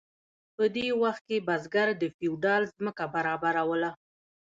په دې وخت کې بزګر د فیوډال ځمکه برابروله.